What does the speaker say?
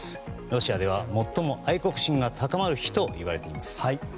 ロシアでは最も愛国心が高まる日ともいわれています。